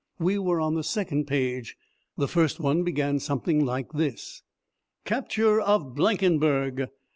We were on the second page. The first one began something like this: CAPTURE OF BLANKENBERG!